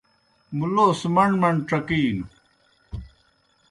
مُلوس مݨ مݨ ڇکِینوْ۔